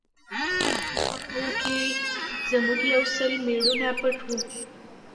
د درې په دواړو خواوو کښې زموږ يو سل مېړونه پټ وو.